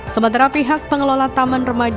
sementara pihak pengelola taman remaja